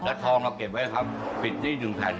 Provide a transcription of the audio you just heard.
และทองเราเก็บไว้ครับปิดที่๑แผ่น